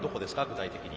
具体的に。